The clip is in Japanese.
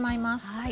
はい。